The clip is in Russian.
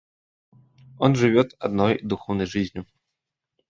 Он живет одною духовною жизнью.